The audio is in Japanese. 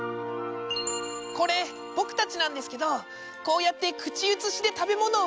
これ僕たちなんですけどこうやって口移しで食べ物を分けるんです。